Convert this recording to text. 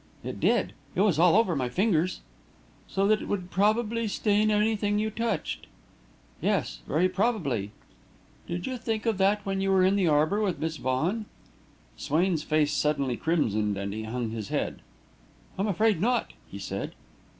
"It did. It was all over my fingers." "So that it would probably stain anything you touched?" "Yes, very probably." "Did you think of that when you were in the arbour with Miss Vaughan?" Swain's face suddenly crimsoned and he hung his head. "I'm afraid not," he said.